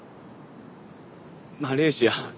マレーシア。